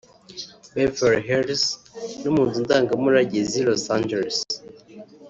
Beverly Hills no mu nzu ndangamurage z’i Los Angeles